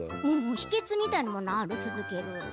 秘けつみたいなものある？